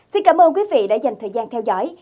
xin cảm ơn quý vị đã dành thời gian theo dõi